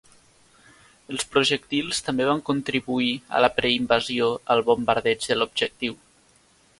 Els projectils també van contribuir a la preinvasió al bombardeig de l'objectiu.